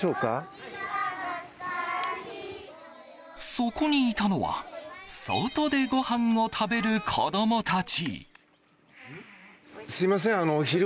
そこにいたのは外で、ごはんを食べる子供たち。